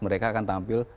mereka akan tampil